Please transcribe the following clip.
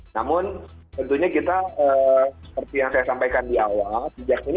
namun tentunya kita seperti yang saya sampaikan di awal